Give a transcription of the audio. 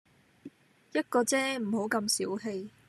一個啫，唔好咁小氣